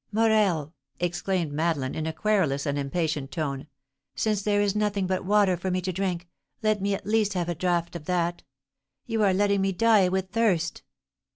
"Morel!" exclaimed Madeleine, in a querulous and impatient tone, "since there is nothing but water for me to drink, let me at least have a draught of that! You are letting me die with thirst!"